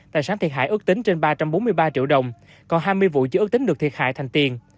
tài sản thiệt hại ước tính trên ba trăm bốn mươi ba triệu đồng còn hai mươi vụ chưa ước tính được thiệt hại thành tiền